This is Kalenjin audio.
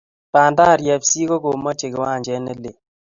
Bandari fc ko komache kiwanjet ne lel